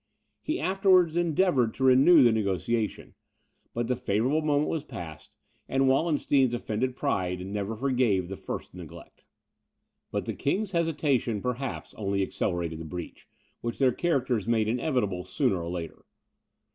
He afterwards endeavoured to renew the negociation; but the favourable moment was past, and Wallenstein's offended pride never forgave the first neglect. But the king's hesitation, perhaps, only accelerated the breach, which their characters made inevitable sooner or later.